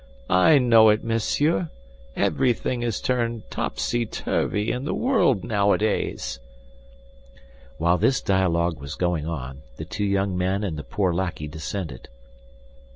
"I know it, monsieur; everything is turned topsy turvy in the world nowadays." While this dialogue was going on, the two young men and the poor lackey descended.